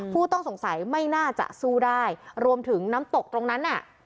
ผู้ต้องสงสัยไม่น่าจะสู้ได้รวมถึงน้ำตกตรงนั้นน่ะ